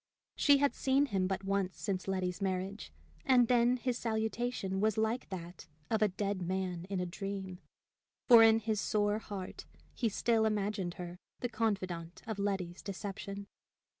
She had seen him but once since Letty's marriage, and then his salutation was like that of a dead man in a dream; for in his sore heart he still imagined her the confidante of Letty's deception.